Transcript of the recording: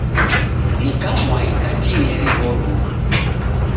Ni kamwai katineri w'oruw'u.